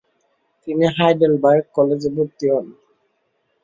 তিনি হাইডেলবার্গ কলেজে ভর্তি হন।